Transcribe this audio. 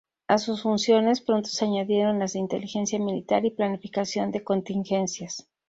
A sus funciones pronto se añadieron las de inteligencia militar y planificación de contingencias.